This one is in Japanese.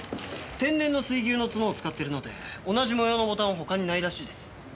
天然の水牛の角を使ってるので同じ模様のボタンは他にないらしいです。